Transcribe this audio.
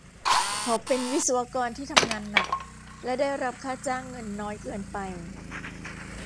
เขาเป็นวิศวกรที่ทำงานหนักและได้รับค่าจ้างเงินน้อยเกินไป